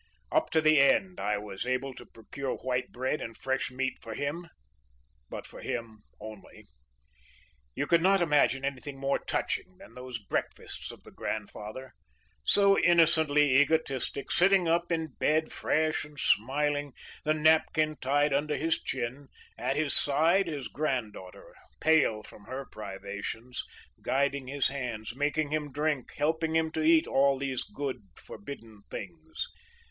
Up to the end I was able to procure white bread and fresh meat for him, but for him only. You could not imagine anything more touching than those breakfasts of the grandfather, so innocently egotistic, sitting up in bed, fresh and smiling, the napkin tied under his chin, at his side his granddaughter, pale from her privations, guiding his hands, making him drink, helping him to eat all these good, forbidden things.